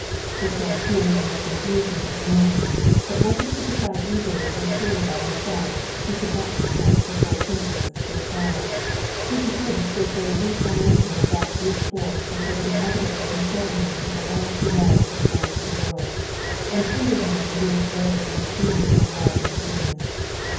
he said, feeling with confusion and annoyance that what he could decide easily and clearly by himself, he could not discuss before Princess Tverskaya, who to him stood for the incarnation of that brute force which would inevitably control him in the life he led in the eyes of the world, and hinder him from giving way to his feeling of love and forgiveness.